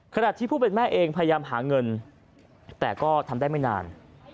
ขณะที่ผู้เป็นแม่เองพยายามหาเงินแต่ก็ทำได้ไม่นาน